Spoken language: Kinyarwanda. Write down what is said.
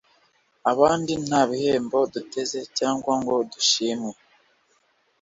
abandi nta bihembo duteze cyangwa ngo dushimwe.